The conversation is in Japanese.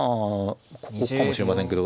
ここかもしれませんけど。